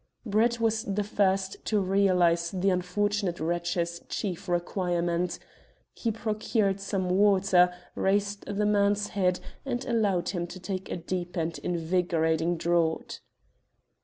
Brett was the first to realize the unfortunate wretch's chief requirement. He procured some water, raised the man's head, and allowed him to take a deep and invigorating draught.